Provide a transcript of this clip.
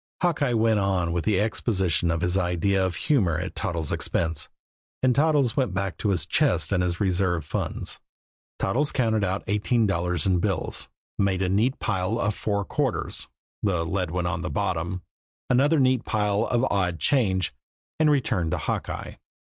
Hawkeye went on with the exposition of his idea of humor at Toddles' expense; and Toddles went back to his chest and his reserve funds. Toddles counted out eighteen dollars in bills, made a neat pile of four quarters the lead one on the bottom another neat pile of the odd change, and returned to Hawkeye.